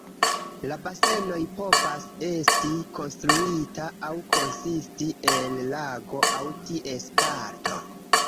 La basenoj povas esti konstruita aŭ konsisti el lago aŭ ties parto.